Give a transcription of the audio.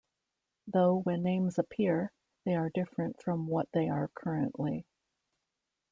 Though when names appear, they are different from what they are currently.